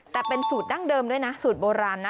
แต่เป็นสูตรดั้งเดิมด้วยนะสูตรโบราณนะ